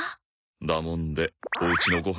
だもんでお家のご飯